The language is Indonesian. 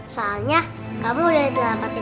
soalnya kamu udah dalam hati aku